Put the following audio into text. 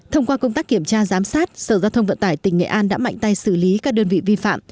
thông qua công tác kiểm tra giám sát sở giao thông vận tải tỉnh nghệ an đã mạnh tay xử lý các đơn vị vi phạm